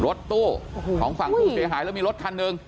รถตู้ของฝั่งผู้เสียหายแล้วมีรถคันหนึ่ง